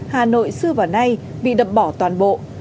hà nội xưa và nay bị đập bỏ toàn bộ